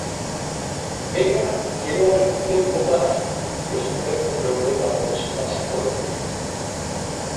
Vega quedó algún tiempo más por supuestos problemas con su pasaporte.